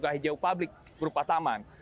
bikin juga hijau publik berupa taman